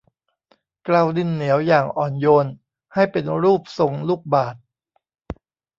เกลาดินเหนียวอย่างอ่อนโยนให้เป็นรูปทรงลูกบาศก์